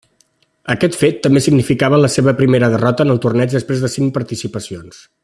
Aquest fet també significava la seva primera derrota en el torneig després de cinc participacions.